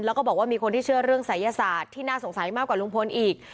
แล้วก็บอกว่ามีคนที่เชื่อเรื่องศัยศาสตร์ที่น่าสงสัยมากกว่าลุงพลอีก